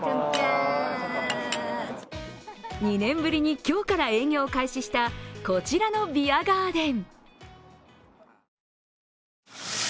２年ぶりに今日から営業を開始した、こちらのビアガーデン。